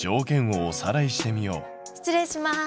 失礼します。